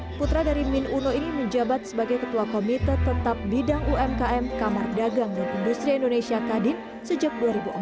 putra dari min uno ini menjabat sebagai ketua komite tetap bidang umkm kamar dagang dan industri indonesia kadin sejak dua ribu empat